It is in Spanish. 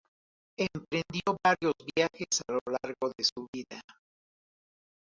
Emprendió varios viajes a lo largo de su vida.